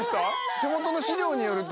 手元の資料によると。